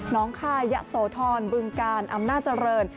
ค่ายะโสธรบึงกาลอำนาจเจริญ